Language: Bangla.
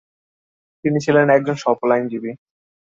তিনি ছিলেন একজন সফল আইনজীবী।